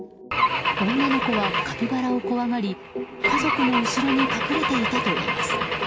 女の子はカピバラを怖がり家族の後ろに隠れていたといいます。